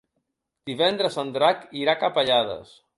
Divendres en Drac irà a Capellades.